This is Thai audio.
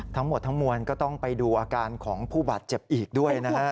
ทั้งหมดทั้งมวลก็ต้องไปดูอาการของผู้บาดเจ็บอีกด้วยนะฮะ